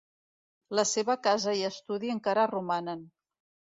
La seva casa i estudi encara romanen.